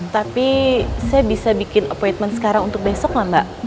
tapi saya bisa bikin appointment sekarang untuk besok lah mbak